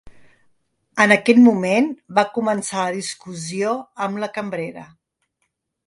En aquest moment va començar la discussió amb la cambrera.